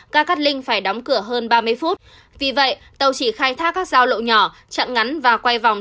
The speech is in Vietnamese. ga cát linh phải đóng cửa hơn ba mươi phút vì vậy tàu chỉ khai thác các giao lộ nhỏ chặn ngắn và quay vòng